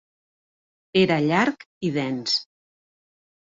Era llarg i dens.